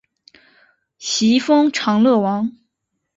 徙封长乐王。